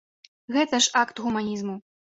Гэта ж акт гуманізму.